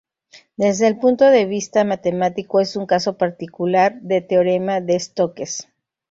Desde el punto de vista matemático es un caso particular del teorema de Stokes.